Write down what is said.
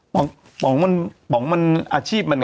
ป๋องมันป๋องมันอาชีพมัน